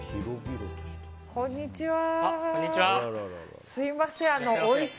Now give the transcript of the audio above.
こんにちは。